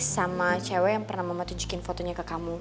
sama cewek yang pernah mama tunjukin fotonya ke kamu